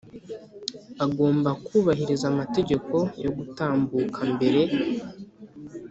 agomba kubahiriza amategeko yo gutambuka mbere